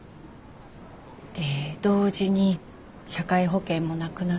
で同時に社会保険もなくなって。